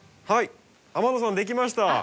はい天野さん出来ました！